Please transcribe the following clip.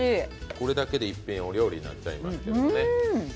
これだけでお料理になっちゃいますけどね。